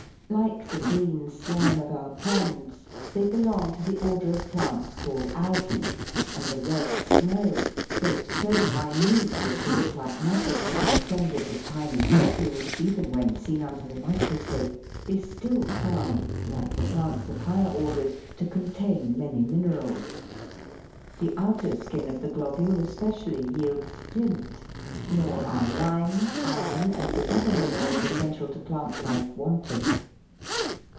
Like the green slime of our ponds, they belong to the order of plants called Algct^ and the red snow, though so minute SNOW AND ICE PLANTS. n as to look like nothing but an assemblage of tiny globules, even when seen under the microscope, is still found, like the plants of higher orders, to contain many minerals.* The outer skin of the globule especially yields flint, nor are lime, iron, and the other minerals essential to plant life, wanting.